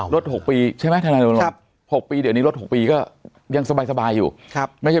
รถ๖ปีใช่ไหม๖ปีเดี๋ยวนี้รถ๖ปีก็ยังสบายอยู่ครับไม่ใช่